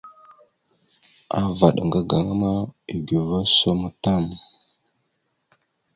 Avaɗ ŋga gaŋa ma eguvoróosom tam.